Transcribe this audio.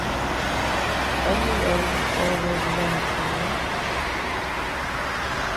¿A neʼéd nobe ndakuu?